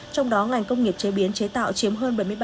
trong đó ngành công nghiệp chế biến chế tạo chiếm hơn bảy mươi ba